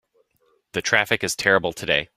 The traffic is terrible today.